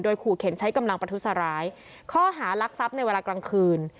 ขู่เข็นใช้กำลังประทุษร้ายข้อหารักทรัพย์ในเวลากลางคืน